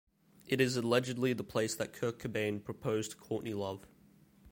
It is allegedly the place that Kurt Cobain proposed to Courtney Love.